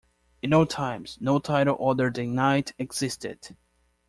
In old times, no title other than "knight" existed.